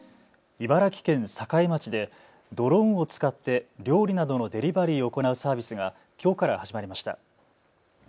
茨城県境町でドローンを使って料理などのデリバリーを行うサービスがきょうから始まりました。